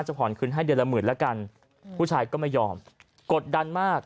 ผ่อนคืนให้เดือนละหมื่นละกันผู้ชายก็ไม่ยอมกดดันมาก